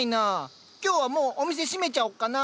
今日はもうお店閉めちゃおっかな。